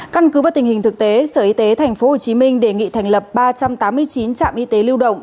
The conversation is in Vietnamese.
căn cứ vào tình hình thực tế sở y tế tp hcm đề nghị thành lập ba trăm tám mươi chín trạm y tế lưu động